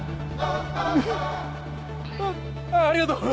ありがとう！